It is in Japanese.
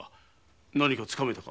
何かつかめたか。